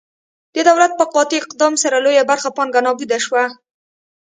د دولت په قاطع اقدام سره لویه برخه پانګه نابوده شوه.